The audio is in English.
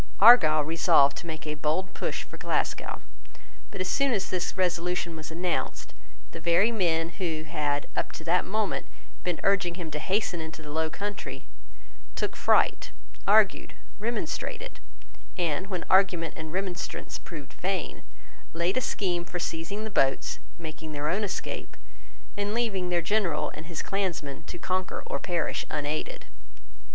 Argyle resolved to make a bold push for Glasgow. But, as soon as this resolution was announced, the very men, who had, up to that moment, been urging him to hasten into the low country, took fright, argued, remonstrated, and when argument and remonstrance proved vain, laid a scheme for seizing the boats, making their own escape, and leaving their General and his clansmen to conquer or perish unaided.